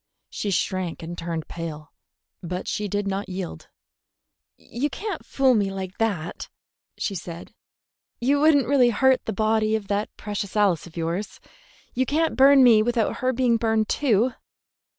She shrank and turned pale; but she did not yield. "You can't fool me like that," she said. "You would n't really hurt the body of that precious Alice of yours. You can't burn me without her being burned too."